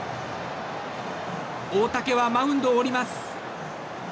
大竹はマウンドを降ります。